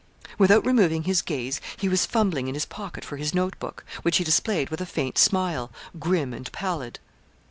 Without removing his gaze he was fumbling in his pocket for his note book, which he displayed with a faint smile, grim and pallid.